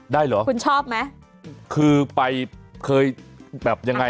เหรอคุณชอบไหมคือไปเคยแบบยังไง